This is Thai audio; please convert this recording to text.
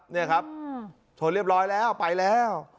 นี่ครับชนเรียบร้อยแล้วไปแล้ว